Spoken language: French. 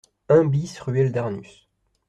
un BIS ruelle Darnus